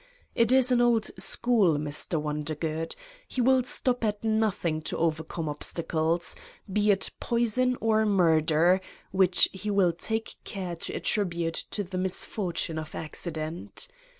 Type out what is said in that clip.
It is an old school, Mr. Wondergood; he will stop at nothing to overcome obstacles, be it poison or murder, which he will take care to attribute to the misfortune of accident.